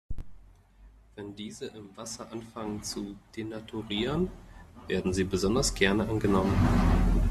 Wenn diese im Wasser anfangen zu denaturieren, werden sie besonders gerne angenommen.